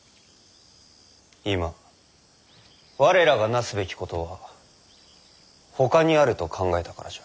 今我らがなすべきことはほかにあると考えたからじゃ。